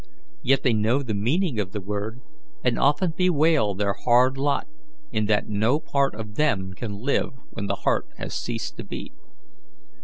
Yet they know the meaning of the word, and often bewail their hard lot in that no part of them can live when the heart has ceased to beat.